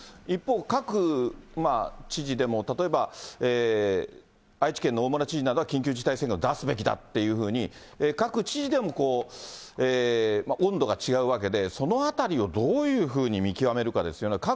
一方、各知事でも、例えば、愛知県の大村知事などは、緊急事態宣言を出すべきだというふうに、各知事でも温度が違うわけで、そのあたりをどういうふうに見極めるかですよね。